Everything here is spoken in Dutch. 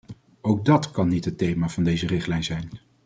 Ook dat kan niet het thema van deze richtlijn zijn.